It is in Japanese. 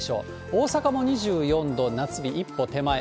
大阪も２４度、夏日一歩手前。